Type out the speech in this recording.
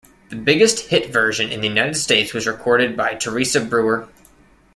The biggest hit version in the United States was recorded by Teresa Brewer.